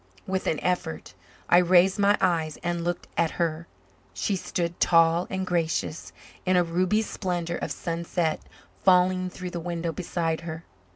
With an effort I raised my eyes and looked at her. She stood, tall and gracious, in a ruby splendour of sunset falling through the window beside her.